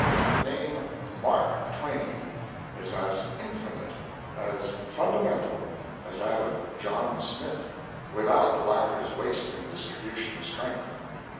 The name Mark Twain is as infinite, as fundamental as that of John Smith, without the latter's wasting distribution of strength.